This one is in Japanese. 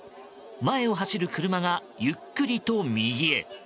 前を走る車がゆっくりと右へ。